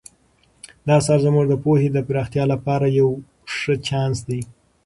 دا اثر زموږ د پوهې د پراختیا لپاره یو ښه چانس دی.